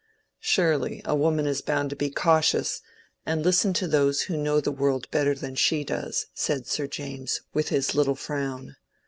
"Surely, a woman is bound to be cautious and listen to those who know the world better than she does." said Sir James, with his little frown.